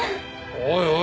おいおい！